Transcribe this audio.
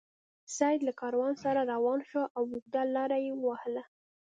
سید له کاروان سره روان شو او اوږده لار یې ووهله.